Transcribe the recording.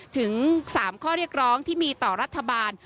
ถึง๓ข้อเรียกร้องที่มีต่อรัฐบาล